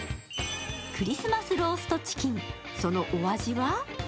クリスマスローストチキン、そのお味は？